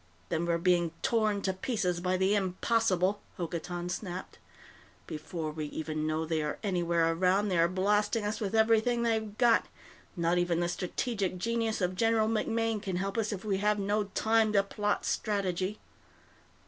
"Then we're being torn to pieces by the impossible!" Hokotan snapped. "Before we even know they are anywhere around, they are blasting us with everything they've got! Not even the strategic genius of General MacMaine can help us if we have no time to plot strategy!"